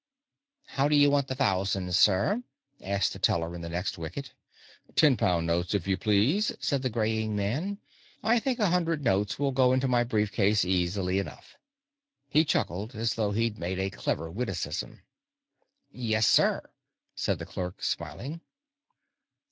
"How did you want the thousand, sir?" asked the teller in the next wicket. "Ten pound notes, if you please," said the graying man. "I think a hundred notes will go into my brief case easily enough." He chuckled, as though he'd made a clever witticism. "Yes, sir," said the clerk, smiling.